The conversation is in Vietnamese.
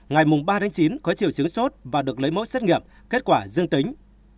ngày ba chín có chiều chứng sốt và được lấy mẫu xét nghiệm kết quả dương tính